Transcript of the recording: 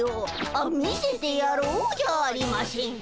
あ見せてやろうじゃあありましぇんか。